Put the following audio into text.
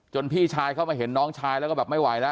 พี่ชายเข้ามาเห็นน้องชายแล้วก็แบบไม่ไหวแล้ว